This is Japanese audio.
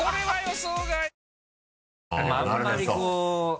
はい。